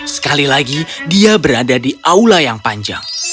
sekali lagi dia berada di aula yang panjang